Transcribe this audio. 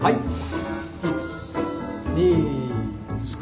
１２３